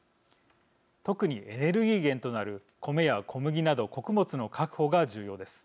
特にエネルギー源となるコメや小麦など穀物の確保が重要です。